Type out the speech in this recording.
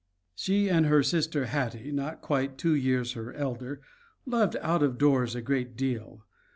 She and her sister Hattie, not quite two years her elder, loved out of doors a great deal.